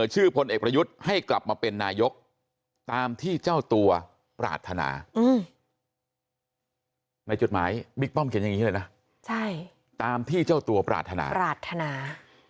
หมายบิ๊กป้อมเขียนอย่างนี้เลยนะตามที่เจ้าตัวปรารถนา